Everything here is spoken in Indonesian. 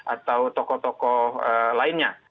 atau tokoh tokoh lainnya